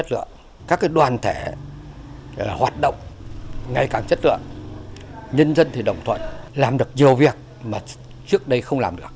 làm được nhiều việc mà trước đây không làm được